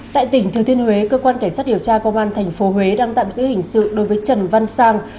tại tỉnh thừa thiên huế cơ quan cảnh sát điều tra công an tp huế đang tạm giữ hình sự đối với trần văn sang